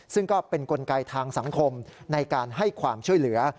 ซึ่งก็เป็นกลไกทางสังคมในการให้ความช่วยเหลือ